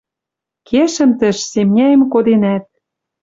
Кешӹм тӹш, семняэм коденӓт.